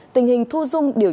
tình hình thu dung bệnh